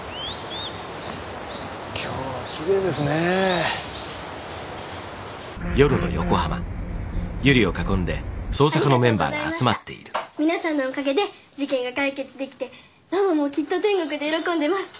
今日はきれいですねありがとうございました皆さんのおかげで事件が解決できてママもきっと天国で喜んでます